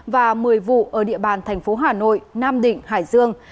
và một mươi vụ ở địa bàn thành phố hà nội nam định hải dương